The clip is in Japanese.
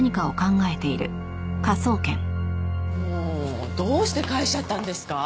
もうどうして帰しちゃったんですか？